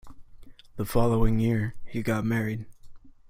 The following year, he got married.